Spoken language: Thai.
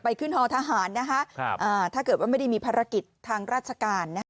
ไปขึ้นฮอทหารนะครับถ้าเกิดว่าไม่มีภารกิจทางราชการนะครับ